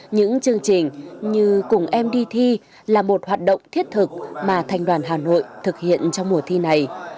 những chương trình như cùng em đi thi là một hoạt động thiết thực mà thành đoàn hà nội thực hiện trong mùa thi này